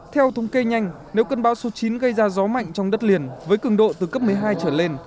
theo thống kê nhanh nếu cơn bão số chín gây ra gió mạnh trong đất liền với cường độ từ cấp một mươi hai trở lên